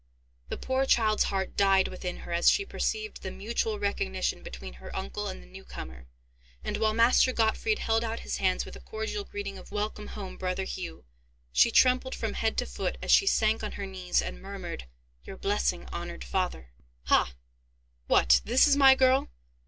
The poor child's heart died within her as she perceived the mutual recognition between her uncle and the new comer; and, while Master Gottfried held out his hands with a cordial greeting of "Welcome, home, brother Hugh," she trembled from head to foot, as she sank on her knees, and murmured, "Your blessing, honoured father." "Ha? What, this is my girl?